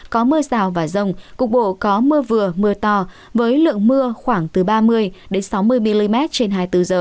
có mưa rào và rông cục bộ có mưa vừa mưa to với lượng mưa khoảng từ ba mươi sáu mươi mm trên hai mươi bốn h